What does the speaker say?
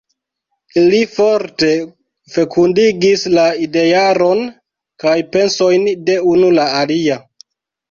Ili forte fekundigis la idearon kaj pensojn de unu la alia.